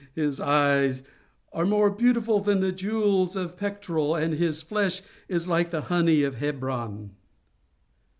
His eyes are more beautiful than the jewels of the Pectoral, and his flesh is like the honey of Hebron."